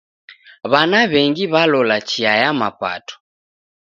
W'ana w'engi w'alola chia ya mapato.